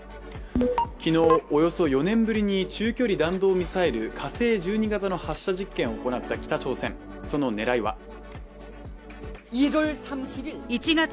昨日、およそ４年ぶりに中距離弾道ミサイル火星１２型の発射実験を行った北朝鮮、その狙いは。